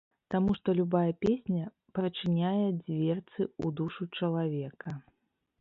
Таму што любая песня прачыняе дзверцы ў душу чалавека.